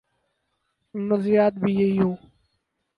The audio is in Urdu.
نظریات بھی یہی ہوں۔